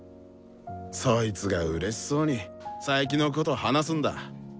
そいつがうれしそうに佐伯のこと話すんだ。